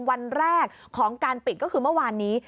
วันแรกของการปิดก็คือเมื่อวานนี้